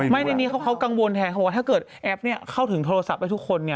ในนี้เขากังวลแทนเขาบอกว่าถ้าเกิดแอปเข้าถึงโทรศัพท์ไปทุกคน